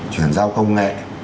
chuyển giao công nghệ